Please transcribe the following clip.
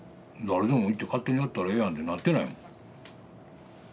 誰でも行って勝手にやったらええやんってなってないもん。